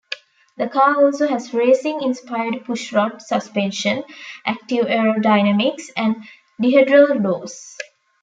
The car also has racing inspired pushrod suspension, active aerodynamics, and dihedral doors.